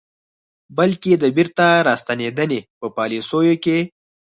بلکې د بیرته راستنېدنې په پالیسیو کې